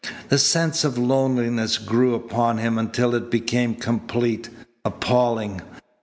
The sense of loneliness grew upon him until it became complete, appalling.